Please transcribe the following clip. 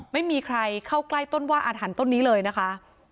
ไม่มีใครเข้าใกล้ต้นว่าอาถรรพ์ต้นนี้เลยนะคะ